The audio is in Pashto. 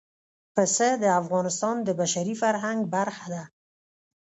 پسه د افغانستان د بشري فرهنګ برخه ده.